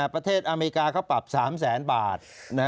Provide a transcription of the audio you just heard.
ประเทศอเมริกาเขาปรับ๓แสนบาท